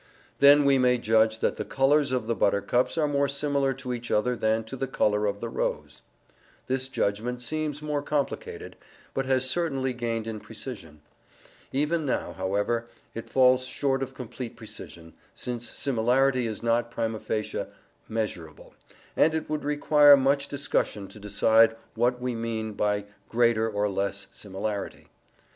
Then we may judge that the colours of the buttercups are more similar to each other than to the colour of the rose. This judgment seems more complicated, but has certainly gained in precision. Even now, however, it falls short of complete precision, since similarity is not prima facie measurable, and it would require much discussion to decide what we mean by greater or less similarity.